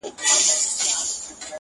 هر سړي ته خدای ورکړی خپل کمال دی.!